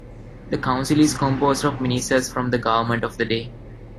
The Council is composed of ministers from the government of the day.